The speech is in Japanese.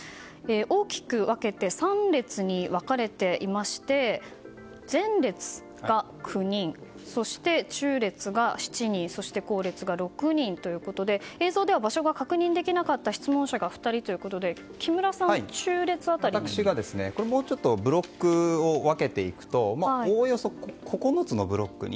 大きく分けて３列に分かれていまして前列が９人、中列が７人後列が６人ということで映像では場所が確認できなかった質問者が２人ということでブロックを分けていくとおおよそ、９つのブロック。